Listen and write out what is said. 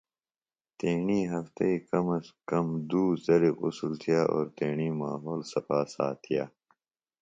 تیݨی ہفتی کم ازکم دُو زلیۡ غسُل تِھیہ او تیݨی ماحول صفاساتِیہ۔